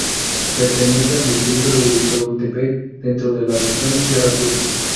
Pertenece al distrito de Yautepec, dentro de la región sierra sur.